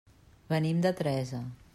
Venim de Teresa.